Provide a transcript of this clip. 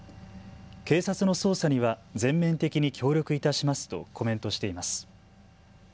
警察の捜査には全面的に協力いたしますとコメントしています。